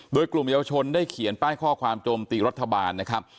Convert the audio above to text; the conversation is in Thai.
โดยกลุ่มเยาวชนได้เขียนป้ายข้อความโจมตีรัฐบาลนะครับ